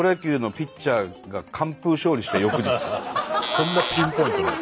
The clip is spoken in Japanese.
そんなピンポイントで。